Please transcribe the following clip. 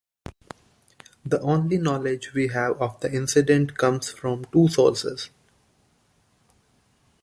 The only knowledge we have of the incident comes from two sources.